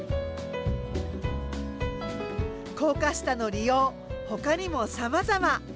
高架下の利用ほかにもさまざま。